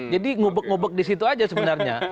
jadi ngubek ngubek disitu aja sebenarnya